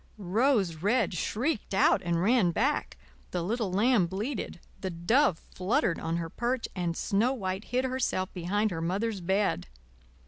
Rose Red shrieked out and ran back, the little lamb bleated, the dove fluttered on her perch, and Snow White hid herself behind her Mother's bed.